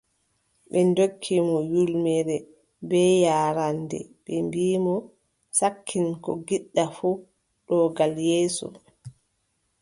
Ɓe ndokki mo ƴulmere, bee yaaraande, ɓe mbii mo: sakkin, ko ngiɗɗa fuu, ɗo gal yeeso.